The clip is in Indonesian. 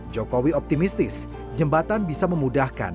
jokowi optimistis jembatan bisa memudahkan